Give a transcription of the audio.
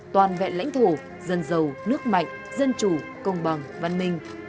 toàn vẹn lãnh thổ dân giàu nước mạnh dân chủ công bằng văn minh